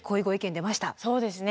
そうですね